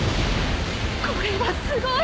これはすごい！